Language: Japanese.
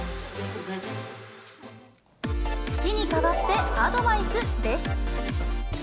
月に代わってアドバイスです。